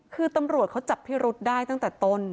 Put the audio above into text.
คือตำรวจเขาจับพิรุษได้ตั้งแต่ต้น